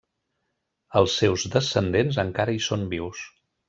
Els seus descendents encara hi són vius.